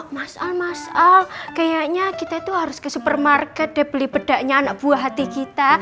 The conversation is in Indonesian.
mas al mas al kayaknya kita itu harus ke supermarket dia beli bedaknya anak buah hati kita